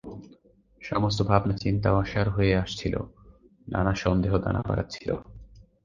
সমস্ত ভাবনাচিন্তা অসাড় হয়ে আসছিল, নানা সন্দেহ দানা পাকাচ্ছিল।